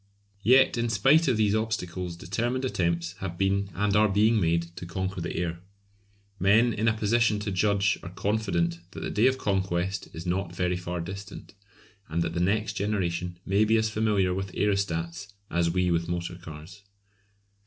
Yet in spite of these obstacles determined attempts have been and are being made to conquer the air. Men in a position to judge are confident that the day of conquest is not very far distant, and that the next generation may be as familiar with aerostats as we with motor cars.